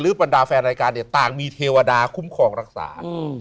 หรือปันไดาแฟนรายการต่างมีเทวดาคุ้มของรักษา